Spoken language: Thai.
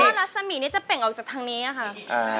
หนูว่ารัศมีจะเป็นออกจากทางนี้อะค่ะ